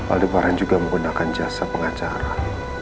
aldebaran juga menggunakan jasa pengacara